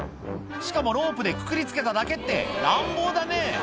しかもロープでくくりつけただけって乱暴だね